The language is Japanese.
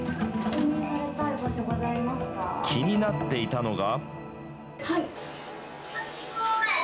気になっていたのが。